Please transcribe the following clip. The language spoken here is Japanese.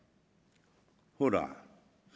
ほら。